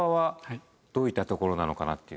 どういったところなのかなって。